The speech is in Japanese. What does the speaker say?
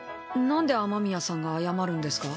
なんで雨宮さんが謝るんですか？